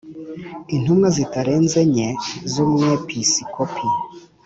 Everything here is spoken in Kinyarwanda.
Intumwa zitarenze enye z Umwepiskopi